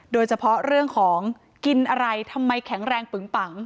โดยเฉพาะเรื่องของกินอะไรทำไมแข็งแรงปึงปัง